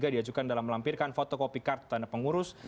diajukan dalam melampirkan fotokopi kartu tanda pengurus